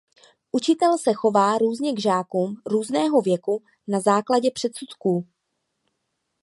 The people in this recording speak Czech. Učitel se chová různě k žákům různého věku na základě předsudků.